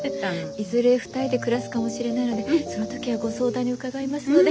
いずれ２人で暮らすかもしれないのでその時はご相談に伺いますので。